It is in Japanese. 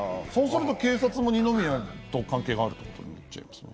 そうすると警察も二宮と関係があるってこと？